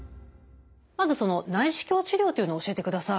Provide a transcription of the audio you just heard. まずその内視鏡治療というのを教えてください。